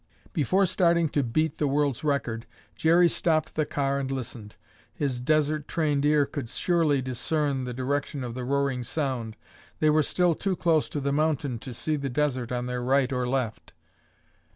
Before starting to "beat the world's record," Jerry stopped the car and listened. His desert trained ear could surely discern the direction of the roaring sound. They were still too close to the mountain to see the desert on their right or left.